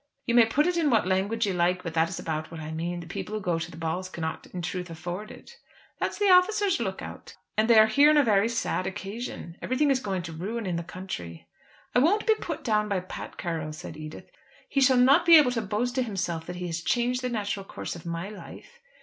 "You may put it in what language you like, but that is about what I mean. The people who go to the balls cannot in truth afford it." "That's the officers' look out." "And they are here on a very sad occasion. Everything is going to ruin in the country." "I won't be put down by Pat Carroll," said Edith. "He shall not be able to boast to himself that he has changed the natural course of my life."